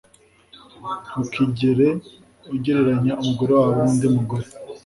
Ntukigere ugereranya umugore wawe nundi mugore.